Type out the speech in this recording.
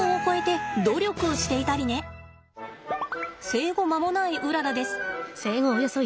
生後間もないうららです。